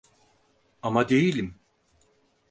Ama değilim.